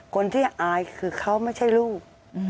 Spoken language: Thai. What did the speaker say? คนที่อายคือเขาไม่ใช่ลูก